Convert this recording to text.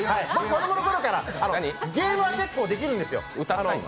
子供のころからゲームは結構できるんですよ。